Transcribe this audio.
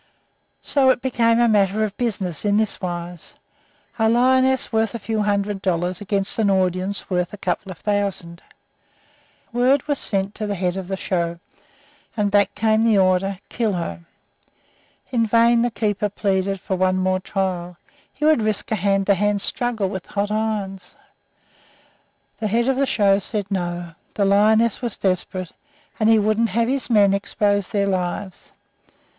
So it became a matter of business in this wise a lioness worth a few hundred dollars against an audience worth a couple of thousand. Word was sent to the head of the show, and back came the order, "Kill her." In vain the keeper pleaded for one more trial; he would risk a hand to hand struggle with hot irons. The head of the show said, "No"; the lioness was desperate, and he wouldn't have his men expose their lives.